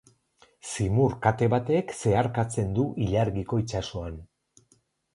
Zimur kate batek zeharkatzen du ilargiko itsasoan.